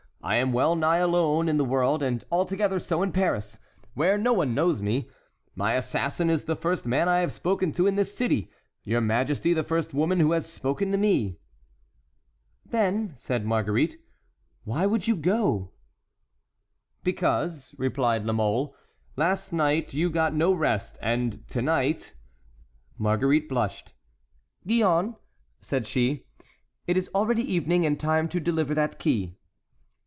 I am well nigh alone in the world, and altogether so in Paris, where no one knows me. My assassin is the first man I have spoken to in this city; your majesty the first woman who has spoken to me." "Then," said Marguerite, "why would you go?" "Because," replied La Mole, "last night you got no rest, and to night"— Marguerite blushed. "Gillonne," said she, "it is already evening and time to deliver that key."